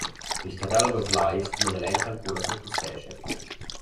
Il Catalogue of Life non elenca alcuna sottospecie.